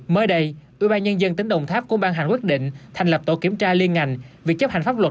mới đây ubnd tỉnh đồng tháp cũng ban hành quyết định thành lập tổ kiểm tra liên ngành việc chấp hành pháp luật